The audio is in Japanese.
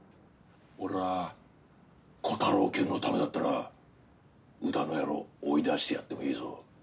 俺はコタローきゅんのためだったら宇田の野郎追い出してやってもいいぞ。